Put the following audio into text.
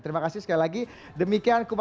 terima kasih sekali lagi demikian